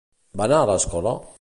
Va anar a l'escola?